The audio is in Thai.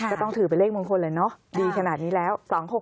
ก็ต้องถือเป็นเลขมงคลแหละเนอะดีขนาดนี้แล้ว๒๖๖